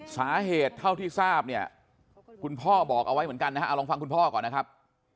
สาเหตุเท่าที่ทราบเนี่ยคุณพ่อบอกเอาไว้เหมือนกันนะฮะเอาลองฟังคุณพ่อก่อนนะครับ